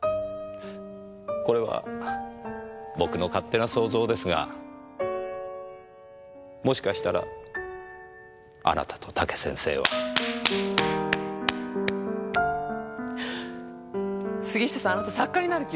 これは僕の勝手な想像ですがもしかしたらあなたと武先生は。杉下さんあなた作家になる気はない？